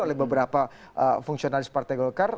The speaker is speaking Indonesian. oleh beberapa fungsionalis partai golkar